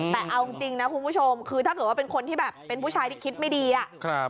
แต่เอาจริงนะคุณผู้ชมคือถ้าเกิดว่าเป็นคนที่แบบเป็นผู้ชายที่คิดไม่ดีอะ